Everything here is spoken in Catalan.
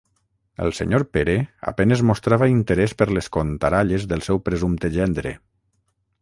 El senyor Pere a penes mostrava interés per les contaralles del seu presumpte gendre.